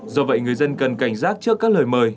do vậy người dân cần cảnh giác trước các lời mời